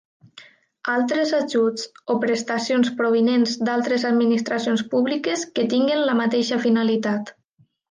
Altres ajuts o prestacions provinents d'altres administracions públiques que tinguin la mateixa finalitat.